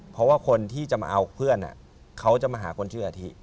เพราะว่าคนที่จะมาเอาเพื่อนเขาจะมาหาคนชื่ออาทิ